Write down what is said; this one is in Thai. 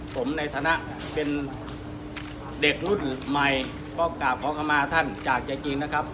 ผมในฐานะเป็นเด็กรุ่นใหม่ก็กราบขอเข้ามาท่านจากใจจริงนะครับ